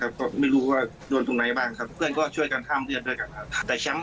ยังไม่รู้ไงจังหวะนั้นคือรู้แล้วว่าเจ็บแต่แบบเอ๊ยโดนที่ไหน